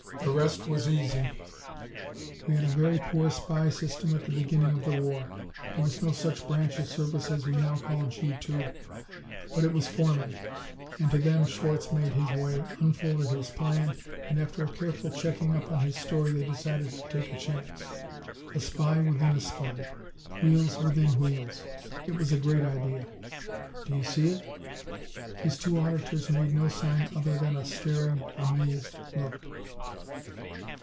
"The rest was easy. We had a very poor spy system at the beginning of the war. There was no such branch of service as we now call G 2. But it was forming, and to them Schwarz made his way, unfolded his plan, and after a careful checking up on his story they decided to take a chance. A spy within a spy! Wheels within wheels! It was a great idea. Do you see it?" His two auditors made no sign other than a staring, amazed look.